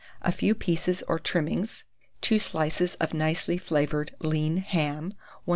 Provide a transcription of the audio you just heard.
a few pieces or trimmings, 2 slices of nicely flavoured lean, ham; 1/4 lb.